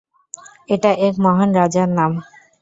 এটা এক মহান রাজার নাম!